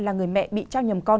là người mẹ bị trao nhầm con